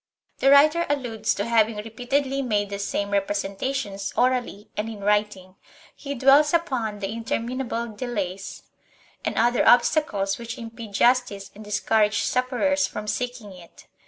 The writer alludes to having re peatedly made the same representations orally and in writing; he dwells upon the interminable delays and other obstacles which impede justice and discourage sufferers from seeking it.